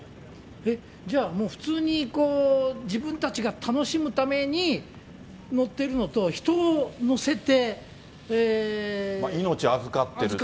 じゃあ、もう普通に自分たちが楽しむために乗ってるのと、命預かってる。